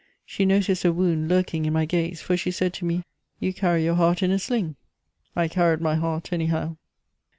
She noticed a wound lurking in my gaze, for she said to me: "You carry your heart in a sling." I carried my heart anyhow.